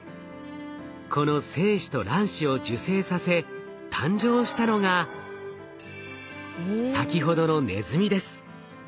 この精子と卵子を受精させ誕生したのが先ほどのネズミです。